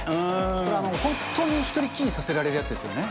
これ、本当に１人っきりにさせられるやつですよね。